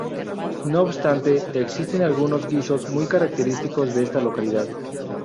No obstante, existen algunos guisos muy característicos de esta localidad.